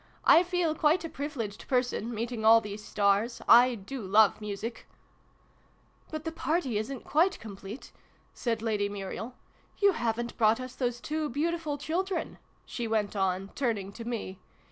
" I feel quite a privileged person, meeting all these stars. I do love music !"" But the party isn't quite complete !" said Lady Muriel. " You haven't brought us those two beautiful children," she went on, turning to me.